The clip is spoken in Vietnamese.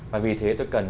và vì thế tôi cần